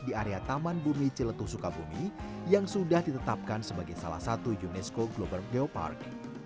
di area taman bumi ciletuh sukabumi yang sudah ditetapkan sebagai salah satu unesco global geopark